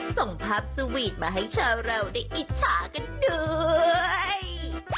ส่งภาพสวีทมาให้ชาวเราได้อิจฉากันด้วย